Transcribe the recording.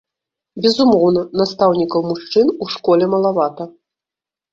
Безумоўна, настаўнікаў-мужчын у школе малавата.